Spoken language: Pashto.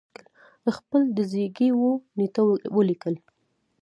خپل د زیږی و نېټه ولیکل